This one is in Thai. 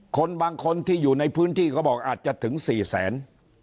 คนบางคนที่อยู่ในพื้นที่เขาบอกอาจจะถึง๔แสน